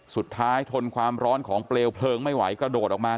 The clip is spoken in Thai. ทนความร้อนของเปลวเพลิงไม่ไหวกระโดดออกมา